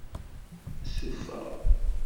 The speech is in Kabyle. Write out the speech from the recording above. Sufeɣ.